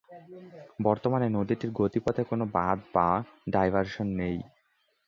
বর্তমানে নদীটির গতিপথে কোন বাঁধ বা ডাইভারশন নেই।